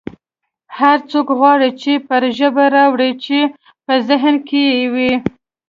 هر څوک هغه څه پر ژبه راوړي چې په ذهن کې یې وي